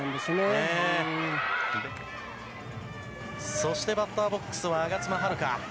そして、バッターボックスは我妻悠香。